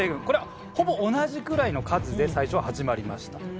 これはほぼ同じくらいの数で最初は始まりました。